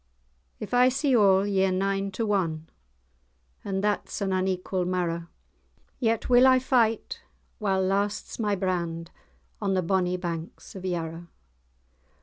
"If I see all, ye're nine to ane; And that's an unequal marrow; Yet will I fight, while lasts my brand, On the bonnie banks of Yarrow."